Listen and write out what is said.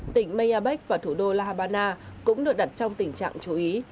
tỉnh mayabec và thủ đô la habana cũng được đặt trong tình trạng chú ý